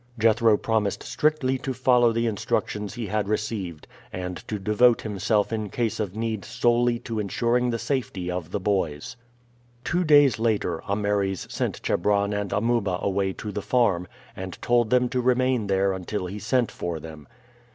Jethro promised strictly to follow the instructions he had received, and to devote himself in case of need solely to insuring the safety of the boys. Two days later, Ameres sent Chebron and Amuba away to the farm, and told them to remain there until he sent for them.